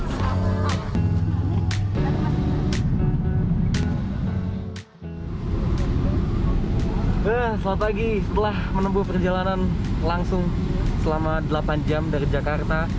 selamat pagi setelah menempuh perjalanan langsung selama delapan jam dari jakarta